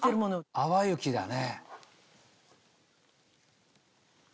淡雪だね。